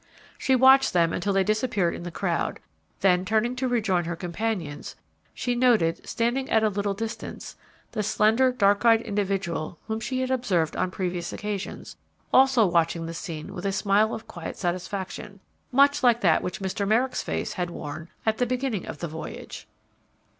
She watched them until they disappeared in the crowd, then, turning to rejoin her companions, she noted, standing at a little distance, the slender, dark eyed individual whom she had observed on previous occasions, also watching the scene with a smile of quiet satisfaction, much like that which Mr. Merrick's face had worn at the beginning of the Voyage.